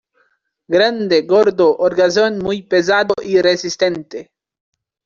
Grande, gordo, holgazán, muy pesado y resistente.